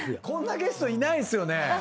こんなゲストいないっすよね。